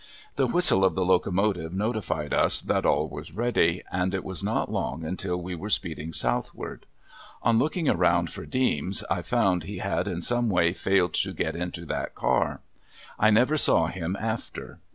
The whistle of the locomotive notified us that all was ready, and it was not long until we were speeding southward. On looking around for Deems I found he had in some way failed to get into that car. I never saw him after.